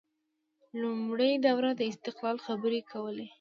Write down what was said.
لومړۍ دوره د استقلال خبرې کولې